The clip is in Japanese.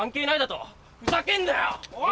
おい！